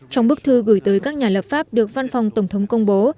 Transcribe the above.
trong bức thư gửi tới các nhà lập pháp được văn phòng tổng thống công bố